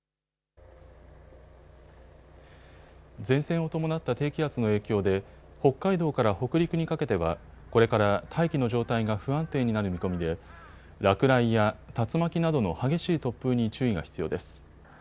前線を伴った低気圧の影響で北海道から北陸にかけてはこれから大気の状態が不安定になる見込みで落雷や竜巻などの激しい突風に注意が必要です。